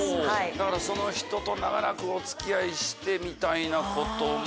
だからその人と長らくお付き合いしてみたいなことも？